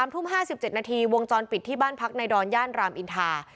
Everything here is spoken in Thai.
ทุ่ม๕๗นาทีวงจรปิดที่บ้านพักในดอนย่านรามอินทา